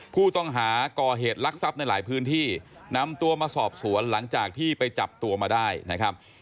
ผู้ต้องหาก่อเหตุลักษัพในหลายพื้นที่นำตัวมาสอบสวนหลังจากที่ไปจับตัวมาได้นะครับ